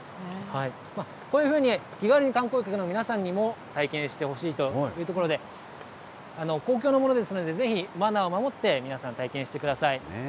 こういうふうに、日帰り観光客の皆さんにも体験してほしいというところで、公共のものですので、ぜひ、マナーを守って皆さん、体験してください。